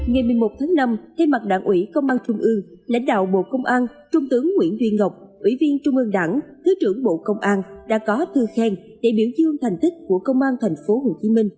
ngày một mươi một tháng năm thay mặt đảng ủy công an trung ương lãnh đạo bộ công an trung tướng nguyễn duy ngọc ủy viên trung ương đảng thứ trưởng bộ công an đã có thư khen để biểu dương thành tích của công an tp hcm